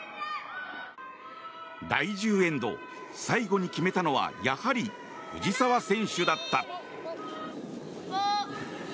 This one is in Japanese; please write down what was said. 最後に決めたのはやはり藤澤選手だった。